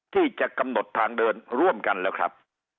ที่จะกำหนดทางเดินร่วมกันแล้วครับ